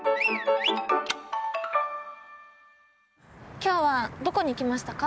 今日はどこに来ましたか？